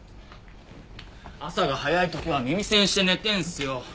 朝が早い時は耳栓して寝てるんですよ。